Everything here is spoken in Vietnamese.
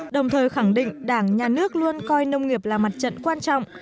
đồng thời khẳng định đảng nhà nước luôn coi nông nghiệp là mặt trận quan trọng